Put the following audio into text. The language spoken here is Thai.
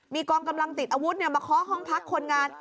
มีกองกำลังติดอาวุธมาเคาะห้องพักคนงาน